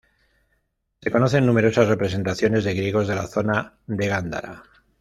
Se conocen numerosas representaciones de griegos de la zona de Gandhara.